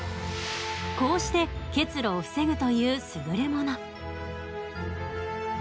こうして結露を防ぐという優れ物。